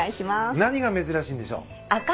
何が珍しいんでしょう？